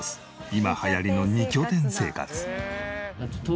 今流行りの２拠点生活。